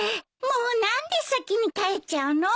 もう何で先に帰っちゃうの？